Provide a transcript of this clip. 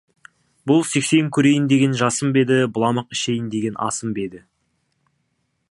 Бұл сексен көрейін деген жасым ба еді, быламық ішейін деген асым ба еді?